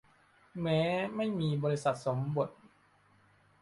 แม้ไม่มีบริษัทสมบท